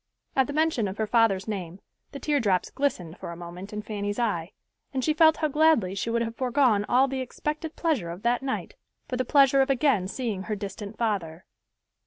At the mention of her father's name the teardrops glistened for a moment in Fanny's eye, and she felt how gladly she would have foregone all the expected pleasure of that night for the pleasure of again seeing her distant father.